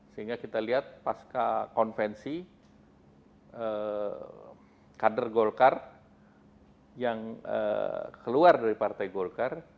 sehingga kita lihat pasca konvensi kader golkar yang keluar dari partai golkar